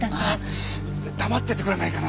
黙っててくれないかな？